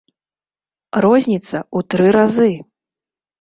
Розніца ў тры разы!